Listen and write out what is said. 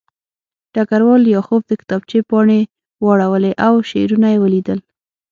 ډګروال لیاخوف د کتابچې پاڼې واړولې او شعرونه یې ولیدل